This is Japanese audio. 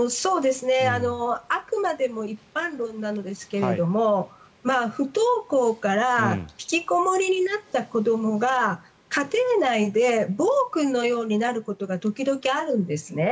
あくまでも一般論なんですけど不登校から引きこもりになった子どもが家庭内で暴君のようになることが時々あるんですね。